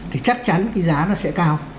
thì chắc chắn cái giá nó sẽ cao